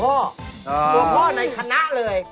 ตัวพ่อในคณะเลย